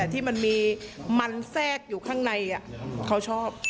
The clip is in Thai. ที่มันมีมันแทรกอยู่ข้างในเขาชอบ